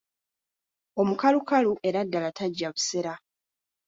Omukalukalu era ddala tajja busera.